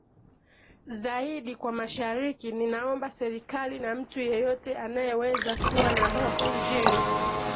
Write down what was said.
zaidi kwa mashariki ninaomba serikali na mtu yeyote anayeweza kuwa na roho njema